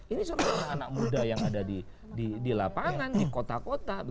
ini soal anak anak muda yang ada di lapangan di kota kota